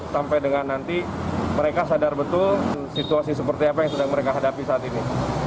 sampai dengan nanti mereka sadar betul situasi seperti apa yang sedang mereka hadapi saat ini